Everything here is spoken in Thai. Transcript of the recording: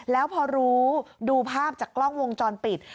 แล้วพอรู้ดูภาพจากกล้องวงจรปิด